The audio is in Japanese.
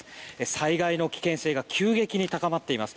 災害の危険性が急激に高まっています。